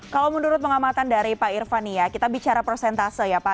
kalau menurut pengamatan dari pak irva nih ya kita bicara persentase ya pak